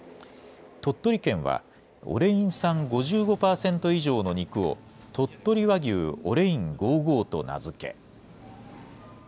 鳥取県は、オレイン酸５５％以上の肉を鳥取和牛オレイン５５と名付け。